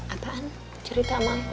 atau cerita sama aku